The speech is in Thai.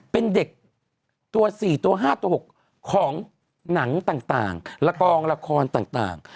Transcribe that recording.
เป็นเด็กตัว๔ตัว๕ตัว๖ของหนังต่างละกองละครต่าง